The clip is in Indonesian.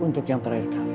untuk yang terakhir kali